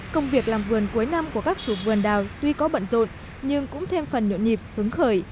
công việc làm vườn cuối năm của các chủ vườn đào tuy có bận rột nhưng cũng thêm phần nhộn nhịp hứng khởi